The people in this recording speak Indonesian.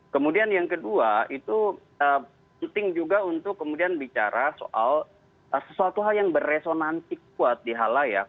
kemudian yang kedua itu penting juga untuk kemudian bicara soal sesuatu hal yang berresonantik kuat di halayak